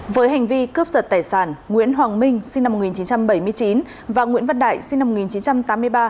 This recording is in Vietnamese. với hành vi cướp giật tài sản nguyễn hoàng minh sinh năm một nghìn chín trăm bảy mươi chín và nguyễn văn đại sinh năm một nghìn chín trăm tám mươi ba